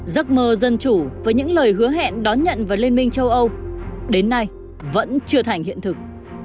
giấc mơ dân chủ với những lời hứa hẹn đón nhận vào liên minh châu âu đến nay vẫn chưa thành hiện thực